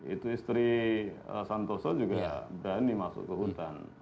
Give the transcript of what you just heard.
itu istri santoso juga berani masuk ke hutan